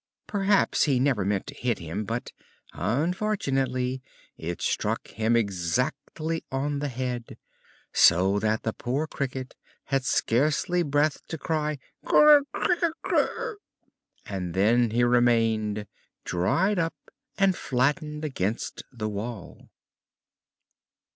Perhaps he never meant to hit him, but unfortunately it struck him exactly on the head, so that the poor Cricket had scarcely breath to cry "Cri cri cri!" and then he remained dried up and flattened against the wall.